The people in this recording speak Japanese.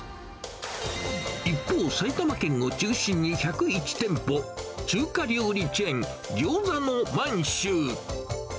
一方、埼玉県を中心に１０１店舗、中華料理チェーン、ぎょうざの満州。